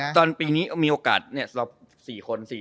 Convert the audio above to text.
ตอนปีนี้มีโอกาสต่อ๔คน๔ทีมและ